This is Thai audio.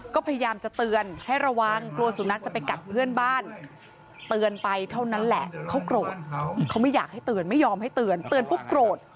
ก็พยายามจะเตือนให้ระวังกลัวสุนัขจะไปกัดเพื่อนบ้านเตือนไปเท่านั้นแหละเขาโกรธเขาไม่อยากให้เตือนไม่ยอมให้เตือนเตือนปุ๊บโกรธ